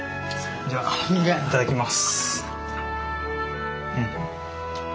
じゃあいただきます。